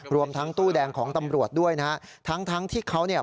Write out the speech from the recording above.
รวมทั้งตู้แดงของตำรวจด้วยนะฮะทั้งทั้งที่เขาเนี่ย